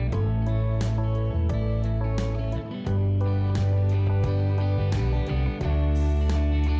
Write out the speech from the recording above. hẹn gặp lại